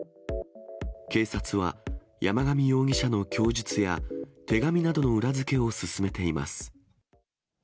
警察は、山上容疑者の供述や手紙などの裏付けを進めています。